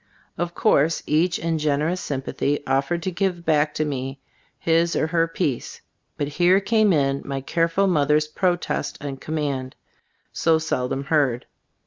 Of course, each in generous sympathy offered to give back to me his or her piece; but here came in my careful mother's protest and command, so sel dom heard.